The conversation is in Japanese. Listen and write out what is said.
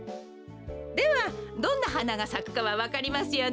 ではどんなはながさくかはわかりますよね？